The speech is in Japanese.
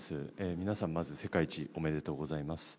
皆さん、まず世界一おめでとうございます。